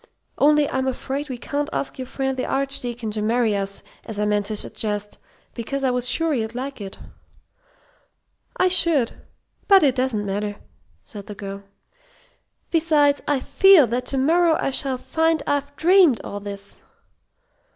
Only I'm afraid we can't ask your friend the Archdeacon to marry us, as I meant to suggest, because I was sure you'd like it." "I should. But it doesn't matter," said the girl. "Besides, I feel that to morrow I shall find I've dreamed all this."